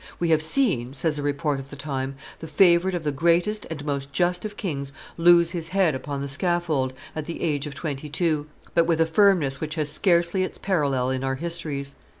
"We have seen," says a report of the time, "the favorite of the greatest and most just of kings lose his head upon the scaffold at the age of twenty two, but with a firmness which has scarcely its parallel in our histories.